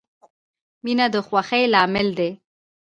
• مینه د خوښۍ لامل دی.